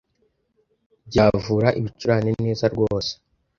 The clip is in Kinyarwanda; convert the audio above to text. byavura ibicurane neza rwose